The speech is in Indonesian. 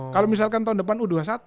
kalau misalkan tahun depan u dua puluh satu